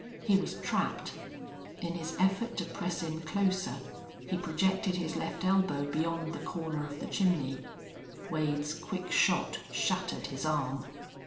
He was trapped. In his effort to press in closer he projected his left elbow beyond the corner of the chimney. Wade's quick shot shattered his arm.